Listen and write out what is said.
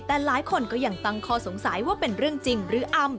แต่หลายคนก็ยังตั้งข้อสงสัยว่าเป็นเรื่องจริงหรืออำ